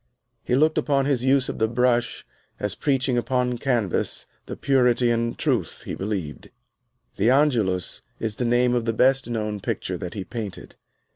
He looked upon his use of the brush as preaching upon canvas the purity and truth he believed. "The Angelus" is the name of the best known picture that he painted.